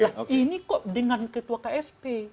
nah ini kok dengan ketua ksp